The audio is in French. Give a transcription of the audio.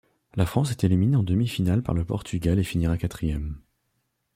La France est éliminée en demi-finale par le Portugal et finira quatrième.